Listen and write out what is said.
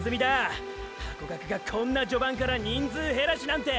ハコガクがこんな序盤から人数減らしなんて！